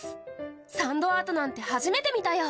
サンドアートなんて初めて見たよ。